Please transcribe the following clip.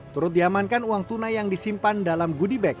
turut diamankan uang tunai yang disimpan dalam goodie bag